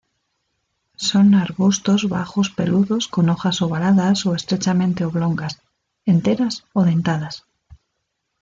Son arbustos bajos peludos con hojas ovaladas o estrechamente oblongas, enteras o dentadas.